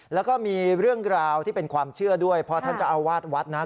แล้วก็มีเรื่องราวที่เป็นความเชื่อด้วยเพราะท่านเจ้าอาวาสวัดนั้น